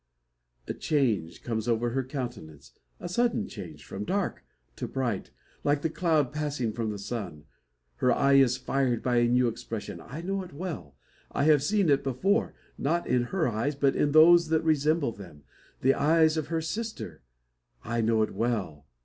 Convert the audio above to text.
A change comes over her countenance a sudden change, from dark to bright, like the cloud passing from the sun. Her eye is fired by a new expression. I know it well. I have seen it before; not in her eyes, but in those that resemble them: the eyes of her sister. I know it well.